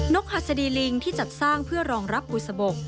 กหัสดีลิงที่จัดสร้างเพื่อรองรับบุษบก